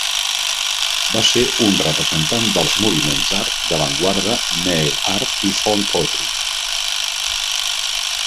Va ser un representant dels moviments d'art d'avantguarda Mail Art i Found Poetry.